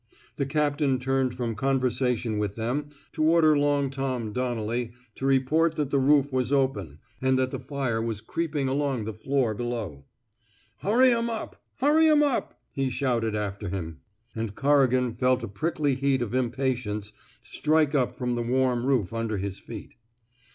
The captain turned from conversation with them to order Long Tom *^ Donnelly to report that the roof was open and that the 160 COREIGAN'S PROMOTION fire was creeping along the floor below. Hurry 'em up! Hurry 'em up!" he shouted after him; and Corrigan felt a prickly heat of impatience strike up from the warm roof under his feet.